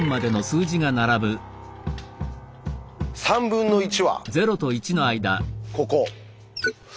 ３分の１はここ。